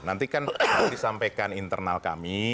nanti kan disampaikan internal kami